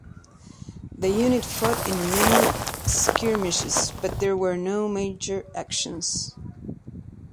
The unit fought in many skirmishes but there were no major actions.